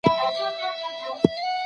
کوم عوامل د هر ډول ټولنیز بدلون سبب کیږي؟